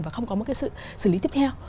và không có một cái xử lý tiếp theo